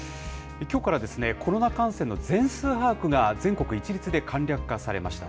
きょうからコロナ感染の全数把握が全国一律で簡略化されました。